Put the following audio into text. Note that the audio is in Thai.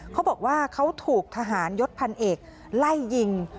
เขาบอกว่าเขาถูกทหารยศพันเอกไล่ยิง